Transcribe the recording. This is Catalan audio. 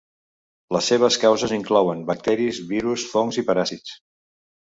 Les seves causes inclouen bacteris, virus, fongs i paràsits.